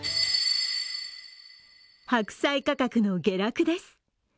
白菜価格の下落です。